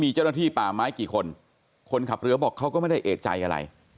มีเจ้าหน้าที่ป่าไม้กี่คนคนขับเรือบอกเขาก็ไม่ได้เอกใจอะไร